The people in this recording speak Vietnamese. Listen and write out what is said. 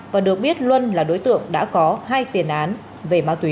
và được biết luân là đối tượng đã có hai tiền án về ma túy